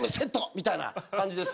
みたいな感じです